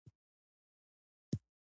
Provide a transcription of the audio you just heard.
په څیړنه کې پلټنه شامله ده.